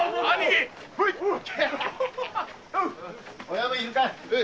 親分いるかい？